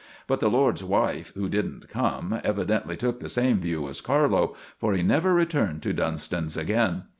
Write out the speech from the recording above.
But the lord's wife, who didn't come, evidently took the same view as Carlo, for he never returned to Dunston's again.